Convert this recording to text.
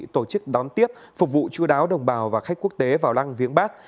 tổ chức đón tiếp phục vụ chú đáo đồng bào và khách quốc tế vào lăng viếng bắc